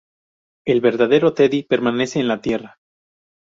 El verdadero Teddy permanece en la Tierra.